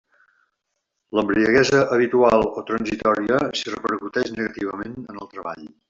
L'embriaguesa habitual o transitòria si repercutix negativament en el treball.